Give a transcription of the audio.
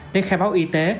để khai báo y tế